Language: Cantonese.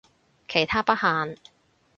其他不限